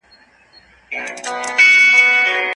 د بشر فکري وده به دوام ولري.